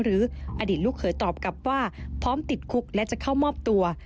หรืออดีตลูกเขยตอบกลับว่าพร้อมติดคุกและจะเข้ามอบตัว